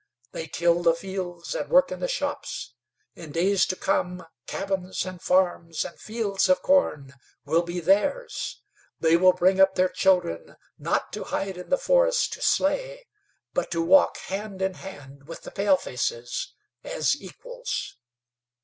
They till the fields and work in the shops. In days to come cabins and farms and fields of corn will be theirs. They will bring up their children, not to hide in the forest to slay, but to walk hand in hand with the palefaces as equals.